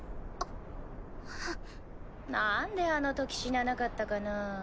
なんであのとき死ななかったかなぁ？